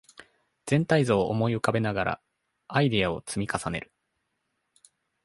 全体像を思い浮かべながらアイデアを積み重ねる